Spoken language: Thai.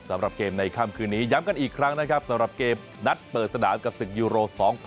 สำหรับเกมในค่ำคืนนี้ย้ำกันอีกครั้งนะครับสำหรับเกมนัดเปิดสนามกับศึกยูโร๒๐